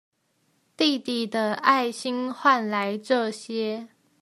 弟弟的愛心換來這些